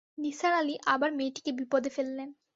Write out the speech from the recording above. নিসার আলি আবার মেয়েটিকে বিপদে ফেললেন।